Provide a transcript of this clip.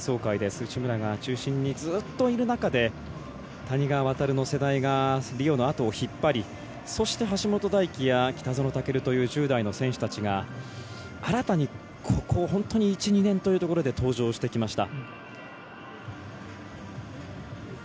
内村が中心にずっといる中で谷川航の世代がリオのあとを引っ張りそして橋本大輝や北園丈琉といった１０代の選手たちが新たにここ本当に１、２年というところで登場してきました。